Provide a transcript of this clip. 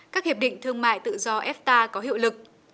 các hiệp định thương mại tự do fta có hiệu lực